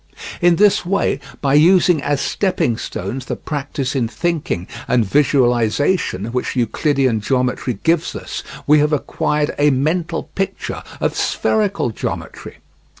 In this way, by using as stepping stones the practice in thinking and visualisation which Euclidean geometry gives us, we have acquired a mental picture of spherical geometry.